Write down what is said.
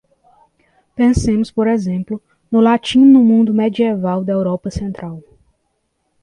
Pensemos, por exemplo, no latim no mundo medieval da Europa Central.